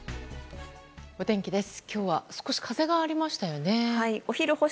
お天気です。